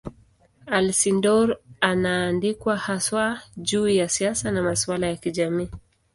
Alcindor anaandikwa haswa juu ya siasa na masuala ya kijamii.